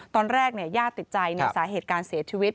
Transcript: ตอนแรกญาติติดใจในสาเหตุการเสียชีวิต